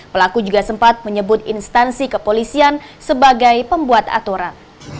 pelaku juga sempat menyebut instansi kepolisian sebagai pembuat aturan